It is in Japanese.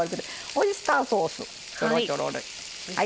オイスターソースちょろちょろ。